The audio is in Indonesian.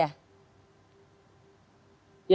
ya tentu kita harus cek ya